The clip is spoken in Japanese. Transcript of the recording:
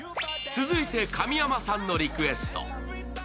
続いて神山さんのリクエスト。